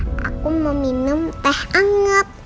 ancus aku mau minum teh anget